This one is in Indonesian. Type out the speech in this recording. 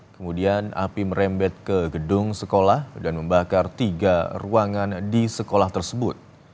kemudian api merembet ke gedung sekolah dan membakar tiga ruangan di sekolah tersebut